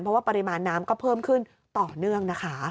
เพราะว่าปริมาณน้ำก็เพิ่มขึ้นต่อเนื่องนะคะ